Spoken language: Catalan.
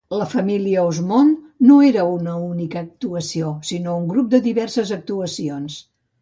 La família Osmond no era una única actuació, sinó un grup de diverses actuacions.